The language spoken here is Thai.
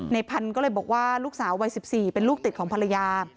พันธุ์ก็เลยบอกว่าลูกสาววัย๑๔เป็นลูกติดของภรรยา